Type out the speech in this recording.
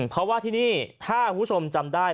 เพราะว่าที่นี่ถ้าคุณผู้ชมจำได้